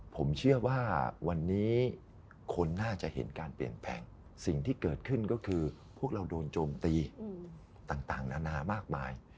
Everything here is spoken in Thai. ผมเชื่อว่าวันนี้คนน่าจะเห็นการเปลี่ยนแปลงสิ่งที่เกิดขึ้นก็คือพวกเราโดนโจมตีต่างนานามากมาย